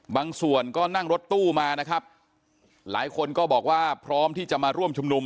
บางส่วนก็นั่งรถตู้มานะครับหลายคนก็บอกว่าพร้อมที่จะมาร่วมชุมนุม